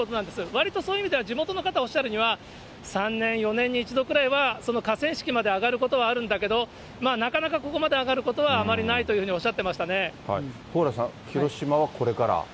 わりとそういう意味では、地元の方、おっしゃるには、３年、４年に一度くらいはその河川敷まで上がることはあるんだけど、なかなかここまで上がることはあまりないというふうにおっしゃっ蓬莱さん、広島はこれから。